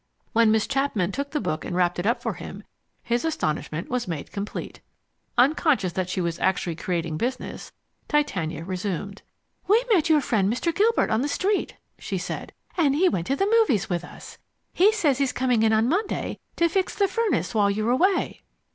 When Miss Chapman took the book and wrapped it up for him, his astonishment was made complete. Unconscious that she was actually creating business, Titania resumed. "We met your friend Mr. Gilbert on the street," she said, "and he went to the movies with us. He says he's coming in on Monday to fix the furnace while you're away."